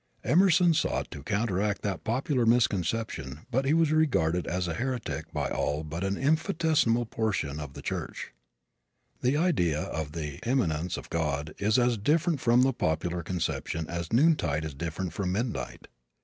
Emerson sought to counteract that popular misconception but he was regarded as a heretic by all but an infinitesimal portion of the church. The idea of the immanence of God is as different from the popular conception as noontide is different from midnight.